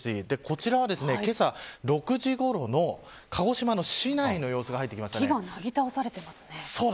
こちらはけさ６時ごろの鹿児島の市内の様子が木がなぎ倒されていますね。